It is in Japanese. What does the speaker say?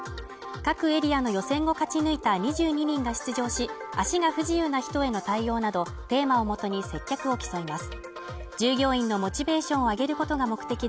各エリアの予選を勝ち抜いた２２人が出場し、足が不自由な人への対応など、テーマをもとに接客を競います。